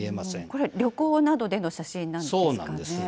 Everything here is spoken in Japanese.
これ、旅行などでの写真なんですかね。